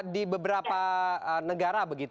di beberapa negara